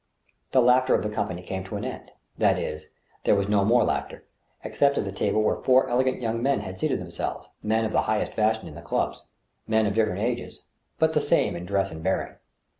The laughter of the company came to an end ; that is, there was no more laughter, except at the table where four elegant young men had seated themselves — men of the highest fashion in the clubs, men of different ages, but the same in dress and bearing.